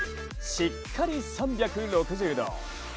しっかり３６０度。